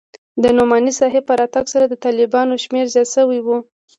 د نعماني صاحب په راتگ سره د طلباوو شمېر زيات سوى و.